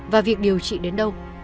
và việc điều trị đến đâu